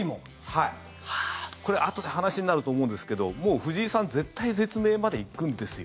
はい、これあとで話になると思うんですけどもう藤井さん絶体絶命まで行くんですよ。